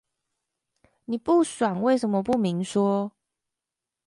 你不爽為什麼不明說？